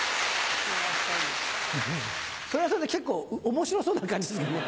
それはそれで結構面白そうな感じですけどね。